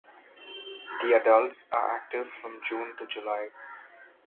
The adults are active from June to July.